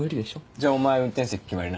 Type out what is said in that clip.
じゃあお前運転席決まりな。